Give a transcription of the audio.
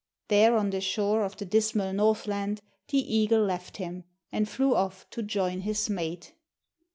There on the shore of the dismal Northland the eagle left him, and flew off to join his mate.